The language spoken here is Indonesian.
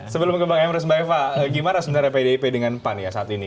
sebelum ke bang emrus mbak eva gimana sebenarnya pdip dengan pan ya saat ini